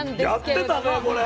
やってたねこれ。